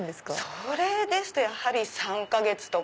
それですとやはり３か月とか。